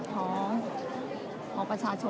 และที่อยู่ด้านหลังคุณยิ่งรักนะคะก็คือนางสาวคัตยาสวัสดีผลนะคะ